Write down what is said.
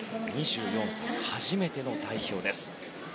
２４歳、初めての代表です。